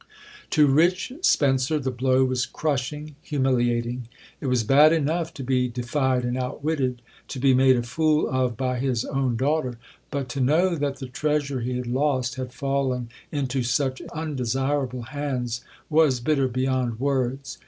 To "Rich Spencer" the blow was crushing, humiliating. It was bad enough to be defied and outwitted, to be made a fool of by his own daughter; but to know that the treasure he had lost had fallen into such undesirable hands was bitter beyond words.